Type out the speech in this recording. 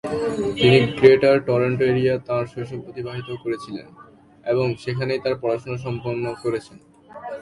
তিনি Greater Toronto এরিয়ায় তাঁর শৈশব অতিবাহিত করেছিলেন এবং সেখানেই তাঁর পড়াশোনা সম্পন্ন করেছেন।